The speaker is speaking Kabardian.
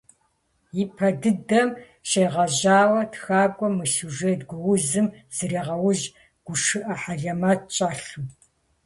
И пэ дыдэм щегъэжьауэ тхакӀуэм мы сюжет гуузым зрегъэужь гушыӀэ хьэлэмэт щӀэлъу.